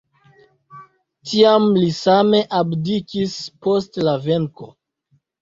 Tiam li same abdikis post la venko.